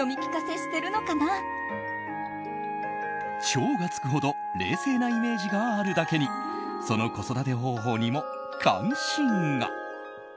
超が付くほど冷静なイメージがあるだけにその子育て方法にも関心が。